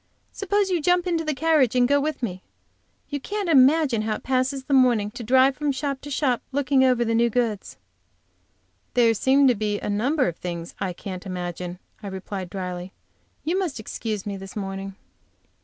Suppose you jump into the carriage and go with me? You can't imagine how it passes away the morning to drive from shop to shop looking over the new goods." "There seem to be a number of things I can't imagine," I replied, dryly. "You must excuse me this morning."